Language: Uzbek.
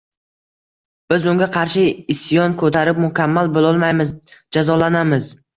Biz unga qarshi isyon ko'tarib mukammal bo'lolmaymiz, jazolanamiz